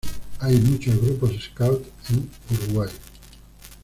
Hay muchos grupos scout en Uruguay.